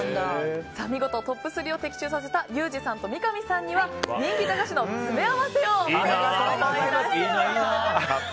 見事トップ３を的中させたユージさんと三上さんには人気駄菓子の詰め合わせをプレゼントいたします。